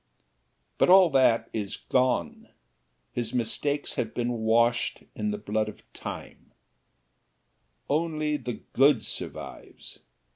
But all that is gone his mistakes have been washed in the blood of Time only the good survives.